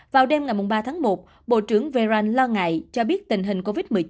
vào đêm ngày ba tháng một bộ trưởng verain lo ngại cho biết tình hình covid một mươi chín